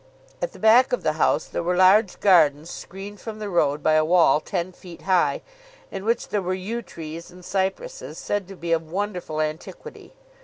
At the back of the house there were large gardens screened from the road by a wall ten feet high, in which there were yew trees and cypresses said to be of wonderful antiquity.